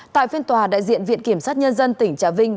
tại phiên tòa đại diện viện kiểm sát nhân dân tỉnh trà vinh